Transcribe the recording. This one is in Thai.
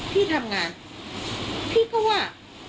พี่ทำงานพี่ก็ว่า